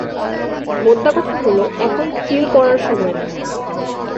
মোদ্দাকথা হল, এখন চিল করার সময় না!